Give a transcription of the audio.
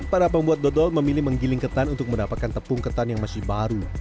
para pembuat dodol memilih menggiling ketan untuk mendapatkan tepung ketan yang masih baru